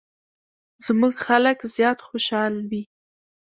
زموږ خلک زیات خوشحال وي.